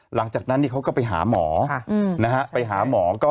หลังจากนั้นเขาก็ไปหาหมอ